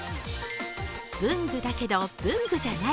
文具だけど、文具じゃない。